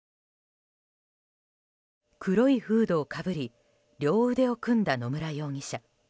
黒いフードをかぶり両腕を組んだ野村容疑者。